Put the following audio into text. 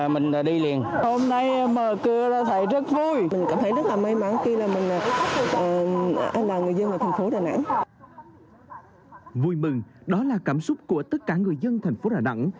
vui mừng đó là cảm xúc của tất cả người dân thành phố đà nẵng